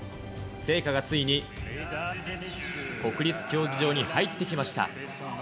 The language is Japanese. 聖火がついに、国立競技場に入ってきました。